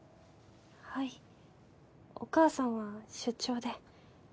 はいお母さんは出張で。